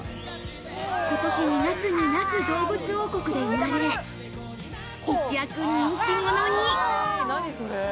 今年２月、那須どうぶつ王国で生まれ、一躍人気者に。